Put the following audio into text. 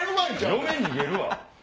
嫁逃げるわ。